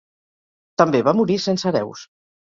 També va morir sense hereus.